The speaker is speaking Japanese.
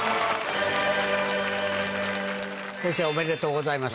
先生おめでとうございます。